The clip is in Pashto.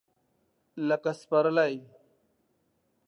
لکه سپرلی !